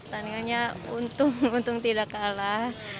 tandingannya untung untung tidak kalah